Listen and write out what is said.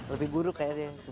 lebih buruk kayaknya